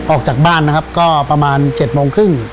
ออกจากบ้านนะครับก็ประมาณ๗โมงครึ่ง